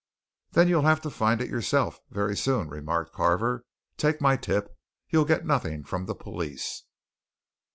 "Then you'll have to find it for yourself, very soon," remarked Carver. "Take my tip you'll get nothing from the police."